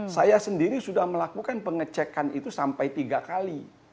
saya sendiri sudah melakukan pengecekan itu sampai tiga kali